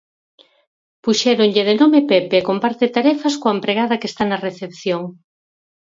Puxéronlle de nome Pepe e comparte tarefas coa empregada que está na recepción.